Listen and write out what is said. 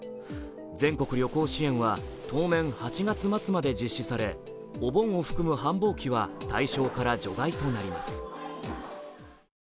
全国旅行支援は当面、８月末まで実施されお盆を含む繁忙期は対象から除外となります。